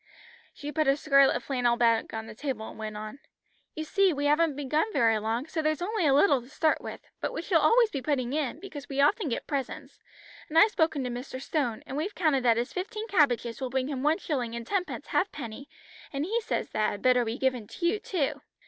She put a scarlet flannel bag on the table, and went on "You see we haven't begun very long, so there's only a little to start with; but we shall always be putting in, because we often get presents, and I've spoken to Mr. Stone, and we've counted that his fifteen cabbages will bring him one shilling and tenpence halfpenny, and he says that had better be given to you too."